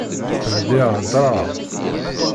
Bdiɣ heddreɣ.